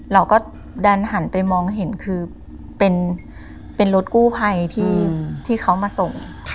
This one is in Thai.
เราก็ดันหันไปมองเห็นคือเป็นรถกู้ภัยที่เขามาส่ง